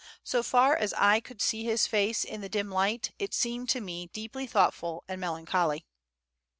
So far as I could see his face in the dim light, it seemed to me deeply thoughtful and melancholy.